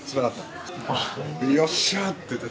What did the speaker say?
「よっしゃ！」って言って。